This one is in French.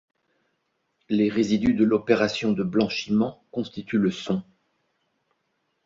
Les résidus de l'opération de blanchiment constituent le son.